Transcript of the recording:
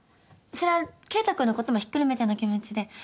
それは圭太君のこともひっくるめての気持ちで。